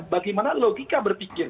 bagaimana logika berpikir